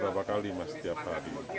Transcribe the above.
berapa kali mas setiap hari